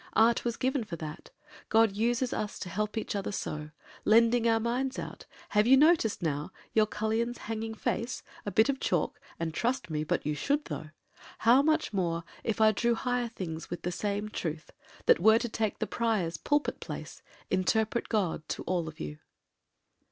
Art was given for that; God uses us to help each other so, Lending our minds out. Have you noticed, now, Your cullion's hanging face? A bit of chalk, And trust me, but you should, though! How much more If I drew higher things with the same truth! That were to take the Prior's pulpit place, Interpret God to all of you.